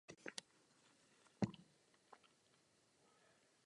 Shromáždil jednu z největších sbírek bulharského umění a archeologických artefaktů.